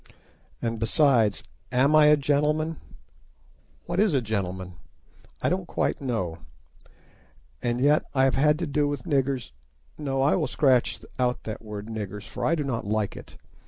And, besides, am I a gentleman? What is a gentleman? I don't quite know, and yet I have had to do with niggers—no, I will scratch out that word "niggers," for I do not like it.